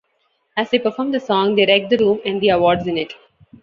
As they perform the song, they wreck the room and the awards in it.